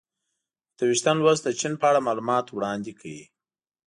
اته ویشتم لوست د چین په اړه معلومات وړاندې کوي.